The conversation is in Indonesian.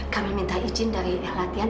kami minta izin dari latihan